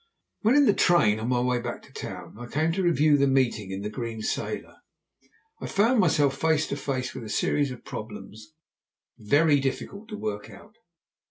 When in the train, on my way back to town, I came to review the meeting in the Green Sailor, I found myself face to face with a series of problems very difficult to work out.